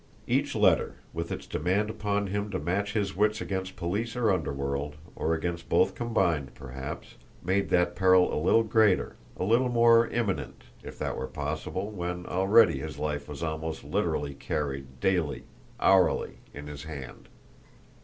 Each letter, with its demand upon him to match his wits against police or underworld, or against both combined, perhaps, made that peril a little greater, a little more imminent if that were possible, when already his life was almost literally carried, daily, hourly, in his hand.